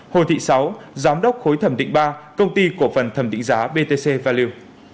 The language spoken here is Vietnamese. hồ thị sáu giám đốc khối thẩm định ba công ty cổ phần thẩm định giá btc valleu